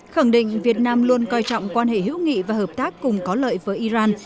khẳng định việt nam luôn coi trọng quan hệ hữu nghị và hợp tác cùng có lợi với iran